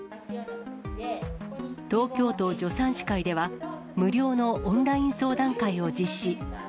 東京都助産師会では、無料のオンライン相談会を実施。